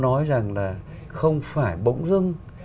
nói rằng là không phải bỗng dưng